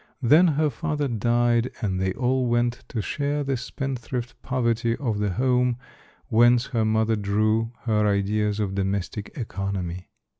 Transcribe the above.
Then her father died and they all went to share the spendthrift poverty of the home, whence her mother drew her ideas of domestic economy.